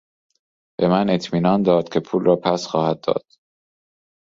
به من اطمینان داد که پول را پس خواهد داد.